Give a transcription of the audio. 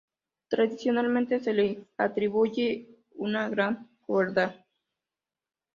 Tradicionalmente se le atribuye una gran crueldad.